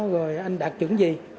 rồi anh đạt chứng gì